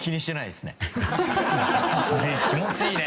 気持ちいいね。